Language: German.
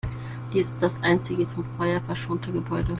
Dies ist das einzige vom Feuer verschonte Gebäude.